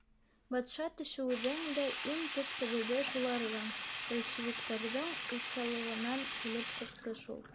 Батша төшөүҙең дә иң төп сәбәбе шуларҙың, большевиктарҙың, уҫаллығынан килеп сыҡты шул.